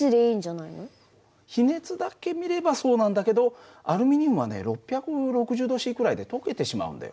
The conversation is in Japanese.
比熱だけ見ればそうなんだけどアルミニウムはね６６０℃くらいで溶けてしまうんだよ。